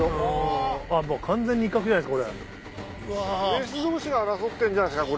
・メス同士が争ってんじゃないですか